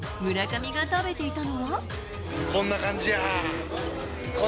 こんな感じやー。